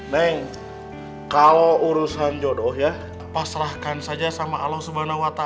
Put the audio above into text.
neng kalau urusan jodoh ya pasrahkan saja sama allah swt